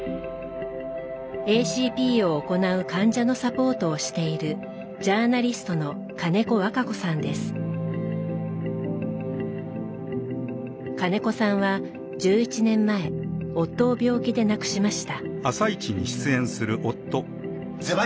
ＡＣＰを行う患者のサポートをしている金子さんは１１年前夫を病気で亡くしました。